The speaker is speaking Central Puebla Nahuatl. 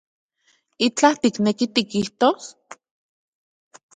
¿Itlaj tikneki tikijtos?